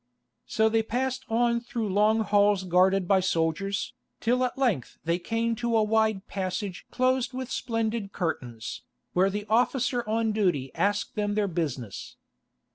So they passed on through long halls guarded by soldiers, till at length they came to a wide passage closed with splendid curtains, where the officer on duty asked them their business.